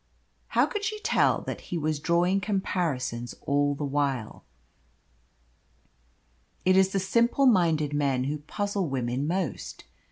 How could she tell that he was drawing comparisons all the while? It is the simple minded men who puzzle women most.